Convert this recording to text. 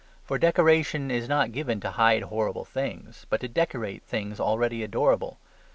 For decoration is not given to hide horrible things: but to decorate things already adorable.